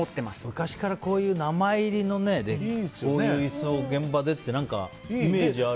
昔からこういう名前入りの椅子を現場でって、イメージある。